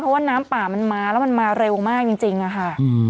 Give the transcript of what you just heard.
เพราะว่าน้ำป่ามันมาแล้วมันมาเร็วมากจริงอะค่ะ